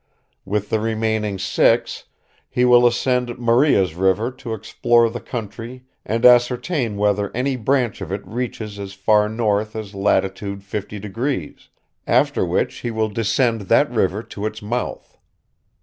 With the remaining six, he will ascend Maria's River to explore the country and ascertain whether any branch of it reaches as far north as latitude 50°, after which he will descend that river to its mouth.